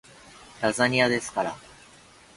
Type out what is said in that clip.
ラザニアですから